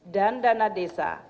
dan dana desa